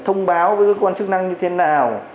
thông báo với cơ quan chức năng như thế nào